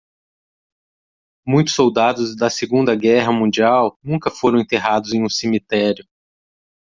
Muitos soldados da segunda guerra mundial nunca foram enterrados em um cemitério.